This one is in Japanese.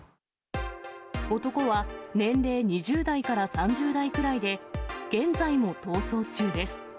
男は年齢２０代から３０代くらいで、現在も逃走中です。